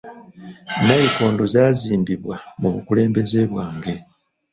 Nnayikondo zaazimbibwa mu bukulembeze bwange.